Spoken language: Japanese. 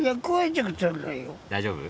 大丈夫？